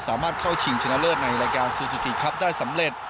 สามารถเข้าชิงชนะเลิศในรายการซูซูกิครับได้สำเร็จ